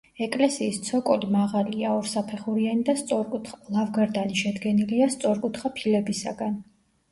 ეკლესიის ცოკოლი მაღალია, ორსაფეხურიანი და სწორკუთხა; ლავგარდანი შედგენილია სწორკუთხა ფილებისაგან.